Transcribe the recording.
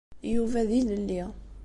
Yuba d ilelli.